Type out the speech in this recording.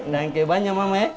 nangke banyak mama ya